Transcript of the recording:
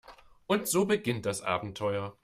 Und so beginnt das Abenteuer.